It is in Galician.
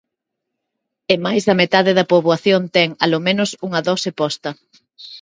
E máis da metade da poboación ten, alomenos, unha dose posta.